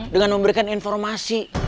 dengan memberikan informasi